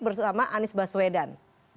bersama anies baswedan